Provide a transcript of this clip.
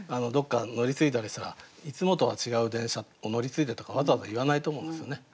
どっか乗り継いだりしたら「いつもとは違う電車を乗り継いで」とかわざわざ言わないと思うんですよね。